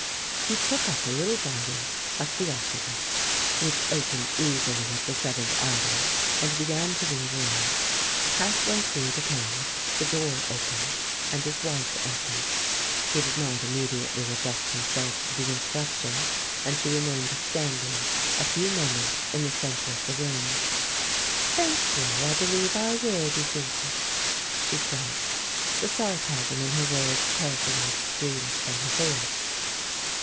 He took up a little volume of Theocritus, which opened easily at the Seventh Idyl, and began to read aloud. Half way through the poem the door opened and his wife entered. He did not immediately adjust himself to the interruption, and she remained standing a few moments in the centre of the room. "Thank you; I believe I will be seated," she said, the sarcasm in her words carefully excluded from her voice.